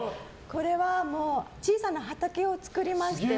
これは小さな畑を作りまして。